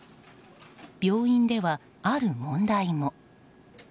病院では、ある問題も。